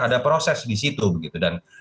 ada proses di situ begitu dan